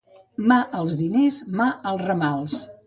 Mà als diners, mà als ramals.